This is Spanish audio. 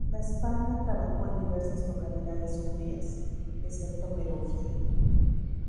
Lo Spagna trabajó en diversas localidades umbrías, excepto Perugia.